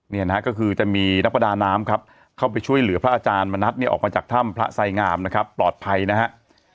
นี่นะฮะก็คือจะมีนักประดาน้ำครับเข้าไปช่วยเหลือพระอาจารย์มณัฐเนี่ยออกมาจากถ้ำพระไสงามนะครับปลอดภัยนะฮะ